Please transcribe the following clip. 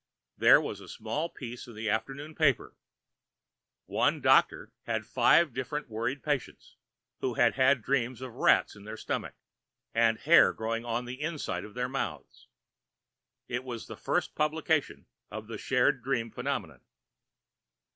There was a small piece in an afternoon paper. One doctor had five different worried patients who had had dreams of rats in their stomachs, and hair growing on the insides of their mouths. This was the first publication of the shared dream phenomenon.